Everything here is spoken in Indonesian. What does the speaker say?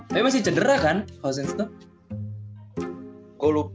tapi masih cedera kan khaosens tuh